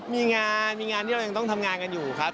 มีงานมีงานที่เรายังต้องทำงานกันอยู่ครับ